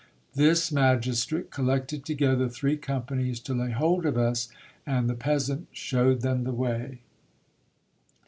This magistrate collected together three companies to lay hold of us, and the peasant showed them the way.